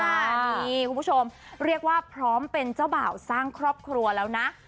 นี่คุณผู้ชมเรียกว่าพร้อมเป็นเจ้าบ่าวสร้างครอบครัวแล้วนะ